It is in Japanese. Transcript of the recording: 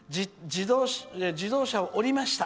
自動車を降りました。